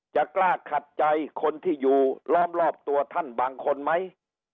จะกล้าขัดใจคนที่อยู่ล้อมรอบตัวท่านบางคนไหม